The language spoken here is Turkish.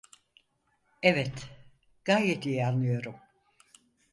Evet, gayet iyi anlıyorum.